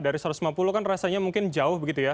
dari satu ratus lima puluh kan rasanya mungkin jauh begitu ya